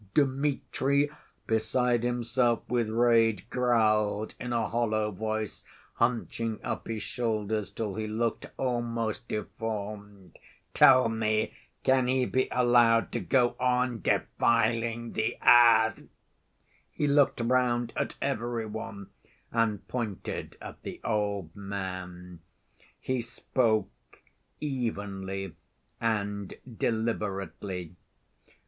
Dmitri, beside himself with rage, growled in a hollow voice, hunching up his shoulders till he looked almost deformed. "Tell me, can he be allowed to go on defiling the earth?" He looked round at every one and pointed at the old man. He spoke evenly and deliberately.